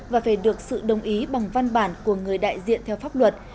và phải được sự đồng ý bằng văn bản của người đại diện theo pháp luật